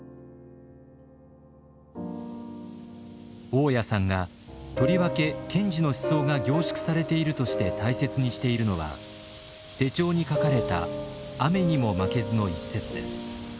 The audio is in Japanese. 雄谷さんがとりわけ賢治の思想が凝縮されているとして大切にしているのは手帳に書かれた「雨ニモマケズ」の一節です。